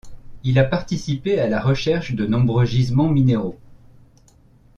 Il a participé à la recherche de nombreux gisements minéraux.